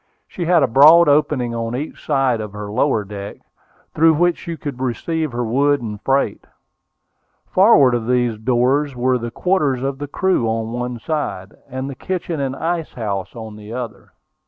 She had a broad opening on each side of her lower deck, through which she could receive her wood and freight. Forward of these doors were the quarters for the crew on one side, and the kitchen and ice house on the other.